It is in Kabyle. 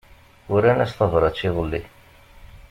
Uran-as tabrat iḍelli.